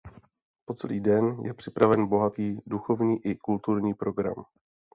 Po celý den je připraven bohatý duchovní i kulturní program.